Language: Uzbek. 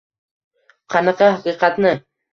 Qanaqa haqiqatni?